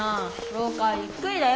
ろう下はゆっくりだよ。